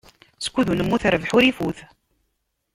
Skud ur nemmut, rrbeḥ ur ifut.